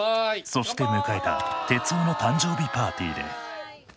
そして迎えた徹生の誕生日パーティーで。